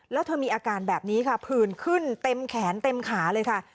แล้วเธอมีอาการแบบนี้ค่ะผื่นขึ้นเต็มแขนเต็มขาเลยค่ะ